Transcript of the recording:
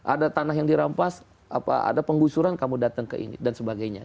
ada tanah yang dirampas ada penggusuran kamu datang ke ini dan sebagainya